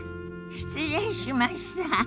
失礼しました。